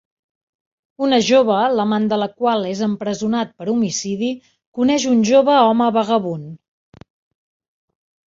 Una jove, l'amant de la qual és empresonat per homicidi, coneix un jove home vagabund.